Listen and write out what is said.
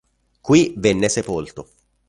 Qui venne sepolto.